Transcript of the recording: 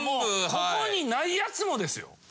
ここに無いやつもですよ。